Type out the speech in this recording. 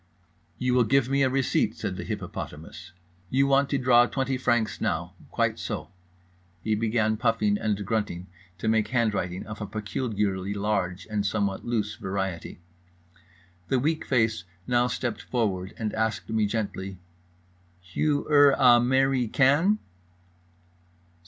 "You will give me a receipt," said the hippopotamus. "You want to draw 20 francs now, quite so." He began, puffing and grunting, to make handwriting of a peculiarly large and somewhat loose variety. The weak face now stepped forward, and asked me gently: "Hugh er a merry can?"